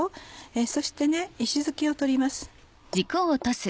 そして石突きを取ります。